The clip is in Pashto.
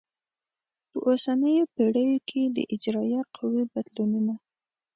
په اوسنیو پیړیو کې د اجرایه قوې بدلونونه